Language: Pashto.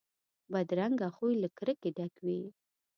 بدرنګه خوی له کرکې ډک وي